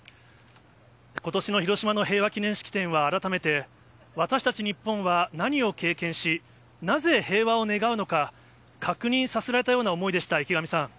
ことしの広島の平和記念式典は改めて、私たち日本は何を経験し、なぜ平和を願うのか、確認させられたような思いでした、池上さん。